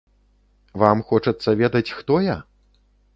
Вам хочацца ведаць, хто я?